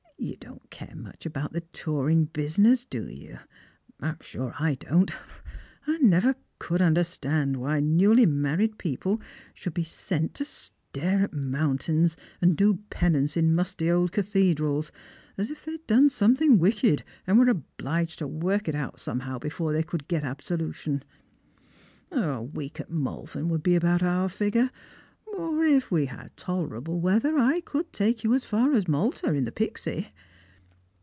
" You don't care much about the tourmg business, do you ? I'm sure I don't. I never could understand why newly man ied people should be 256 Strangers and Vilgrims. eent to start at mountains, and do penance in musty old cathe* (Irals, as if they'd done something wicked, and were obliged to worlc it out somehow before they could get absolution. A week at Malvern would be about our figure : or if we had tolerable weather, I could take you as far as Malta in the Pixy."